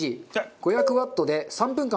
５００ワット３分間。